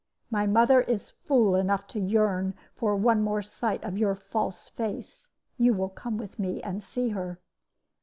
My mother is fool enough to yearn for one more sight of your false face; you will come with me and see her.'